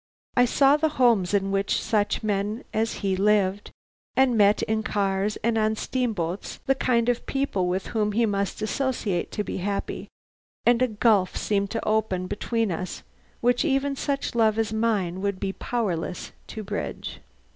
I saw the homes in which such men as he lived, and met in cars and on steamboats the kind of people with whom he must associate to be happy, and a gulf seemed to open between us which even such love as mine would be powerless to bridge.